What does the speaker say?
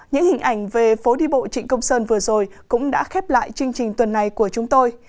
những hình ảnh về phố đi bộ trịnh công sơn vừa rồi cũng đã khép lại chương trình tuần này của chúng tôi